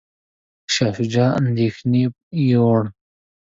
شاه شجاع اندیښنې یووړ.